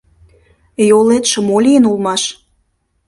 «Йолетше мо лийын улмаш?»